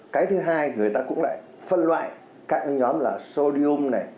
cái thứ hai người ta cũng lại phân loại các nhóm là shodyum này